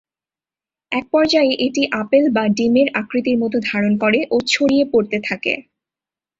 এক পর্যায়ে এটি আপেল বা ডিমের আকৃতির মত ধারণ করে ও ছড়িয়ে পড়তে থাকে।